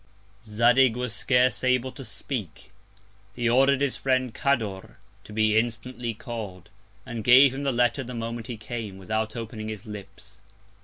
_ Zadig was scarce able to speak. He order'd his Friend Cador to be instantly call'd, and gave him the Letter the Moment he came, without opening his Lips.